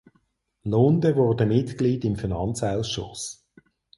Lunde wurde Mitglied im Finanzausschuss.